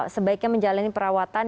sebaiknya menjalani perawatan